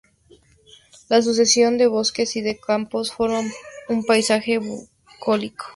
La sucesión de bosques y de campos forman un paisaje bucólico.